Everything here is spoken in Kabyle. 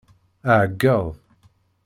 Ɛeggeḍ!